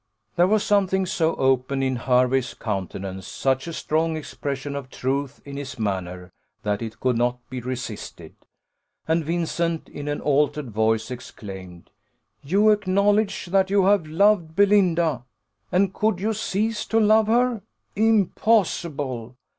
There was something so open in Hervey's countenance, such a strong expression of truth in his manner, that it could not be resisted, and Vincent, in an altered voice, exclaimed, "You acknowledge that you have loved Belinda and could you cease to love her? Impossible!